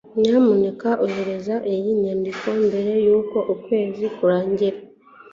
nyamuneka ohereza iyi nyandiko mbere yuko ukwezi kurangira